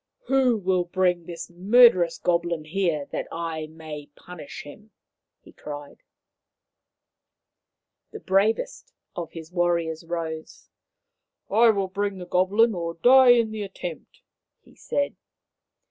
" Who will bring this murderous goblin here that I may punish him ?" he cried. The bravest of his warriors rose. " I will bring the goblin or die in the attempt," he said.